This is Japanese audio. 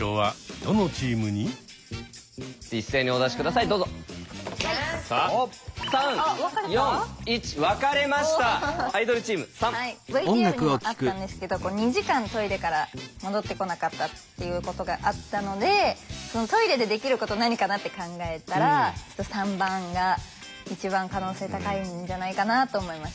ＶＴＲにもあったんですけど２時間トイレから戻ってこなかったっていうことがあったのでトイレでできること何かなって考えたら３番が一番可能性高いんじゃないかなと思いました。